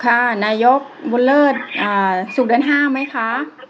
ค่ะนายกบุญเลิศอ่าสุดเดือนห้าไหมคะ